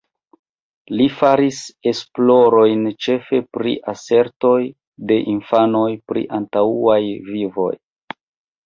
Li faris esplorojn ĉefe pri asertoj de infanoj pri antaŭaj vivoj.